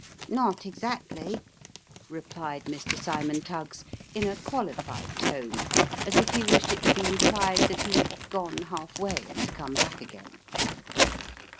" Not exactly," replied Mr. Cymon Tuggs in a qualified tone, as if he wished it to be implied that he had gone half way and come back again.